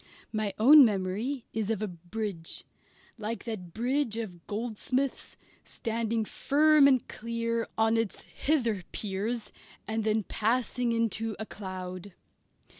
My own memory is of a bridge; like that bridge of Goldsmith's, standing firm and clear on its hither piers and then passing into a cloud.